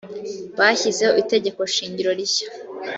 bashyizeho itegeko shingiro rishya.